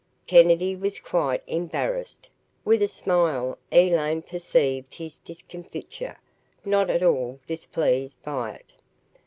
Kennedy was quite embarrassed. With a smile, Elaine perceived his discomfiture, not at all displeased by it.